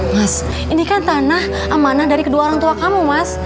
mas ini kan tanah amanah dari kedua orang tua kamu mas